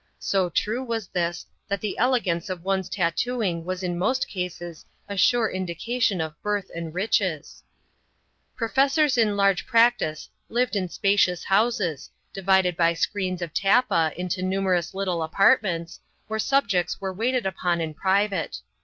3e was this, that the el^ance of one's tattooing was in 3ases a sure indication of birth and riches, ifessors in large practice lived in spacious houses, divided reens of tappa into numerous little apartments, where !ts were waited upon in private.